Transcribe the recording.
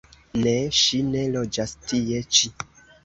Ne, ŝi ne loĝas tie ĉi.